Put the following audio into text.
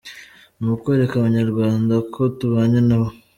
Ni ukwereka abanyarwanda ko tubanye nabo.